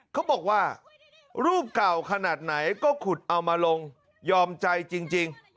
เขาบอกว่ารูปเก่าขนาดไหนก็ขุดเอามาลงยอมใจจริง